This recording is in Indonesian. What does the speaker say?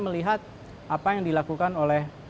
melihat apa yang dilakukan oleh